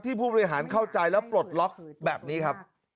ผู้บริหารเข้าใจแล้วปลดล็อกแบบนี้ครับ